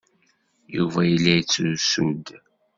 Yuba yella yettrusu-d.